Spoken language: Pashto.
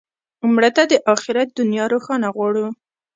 مړه ته د آخرت دنیا روښانه غواړو